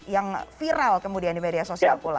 yang viral kemudian di media sosial pula